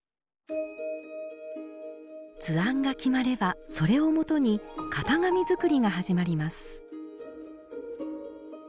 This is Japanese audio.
図案が決まればそれを基に型紙づくりが始まります